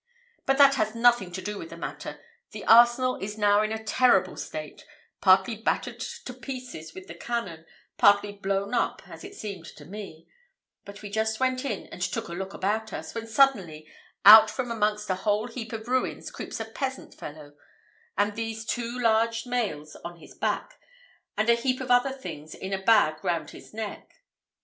"But that has nothing to do with the matter. The arsenal is now in a terrible state; partly battered to pieces with the cannon, partly blown up, as it seemed to me; but we just went in to take a look about us, when suddenly out from amongst a whole heap of ruins creeps a peasant fellow, with these two large mails on his back, and a heap of other things in a bag round his neck.